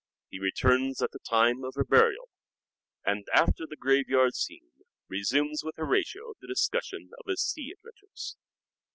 He returns at the time of her burial, and after the graveyard scene resumes with Horatio the discussion of his sea adventures.